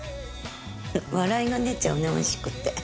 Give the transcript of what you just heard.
笑いが出ちゃうねおいしくて。